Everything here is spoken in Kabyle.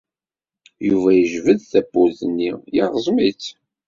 Yuba yejbed tawwurt-nni, yerẓem-itt.